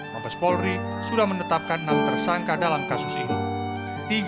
mabes polri sudah menetapkan enam tersangka dalam kasus ini